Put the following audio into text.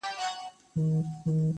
• ته بېشکه هم ښایسته یې هم رنګینه -